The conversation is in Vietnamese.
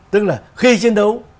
tức là khi chiến đấu